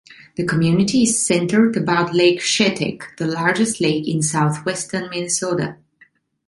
The community is centered about Lake Shetek, the largest lake in southwestern Minnesota.